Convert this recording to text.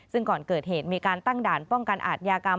ซึ่งก่อนเกิดเหตุมีการตั้งด่านป้องกันอาทยากรรม